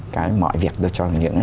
cái mọi việc đó cho những